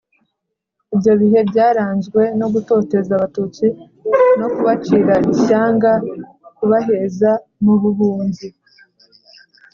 Ibyo bihe byaranzwe no gutoteza abatutsi no kubacira ishyanga kubaheza mu buhunzi